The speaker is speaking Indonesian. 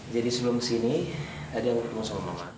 jadi sebelum kesini ada yang mau saya ngomongin